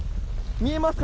見えますか？